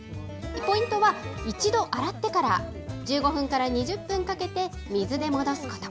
ポイントは、一度洗ってから、１５分から２０分かけて、水で戻すこと。